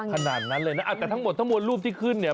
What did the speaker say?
ขนาดนั้นเลยแต่ทั้งหมดทรัพจะรูปรูปที่ขึ้น